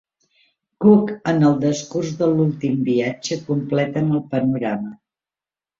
Cook en el decurs de l'últim viatge completen el panorama.